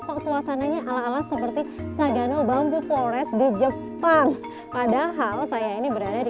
kok suasananya ala ala seperti sagano bambu flores di jepang padahal saya ini berada di